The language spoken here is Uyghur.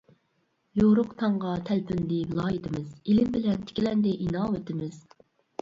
يورۇق تاڭغا تەلپۈندى ۋىلايىتىمىز، ئىلىم بىلەن تىكلەندى ئىناۋىتىمىز.